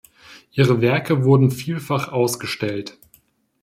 Ihre Werke wurden vielfach ausgestellt.